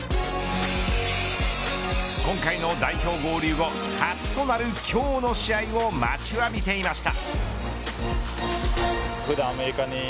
今回の代表合流後、初となる今日の試合を待ちわびていました。